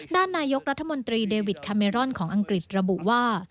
ด้านนายกรัฐมนตรีเดวิดคาเมรอนของอังกฤษระบุว่า